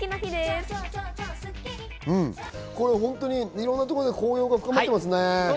いろんなところで紅葉が深まってますね。